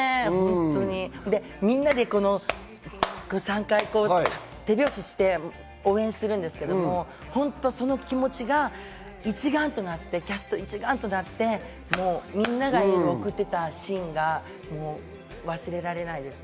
みんなで３回手拍子をして応援するんですけど、その気持ちが一丸となってキャスト、一丸となって、みんながエールを送っていったシーンが忘れられないです。